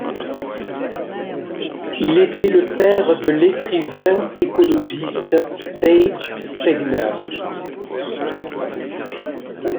Il était le père de l'écrivain écologiste Page Stegner.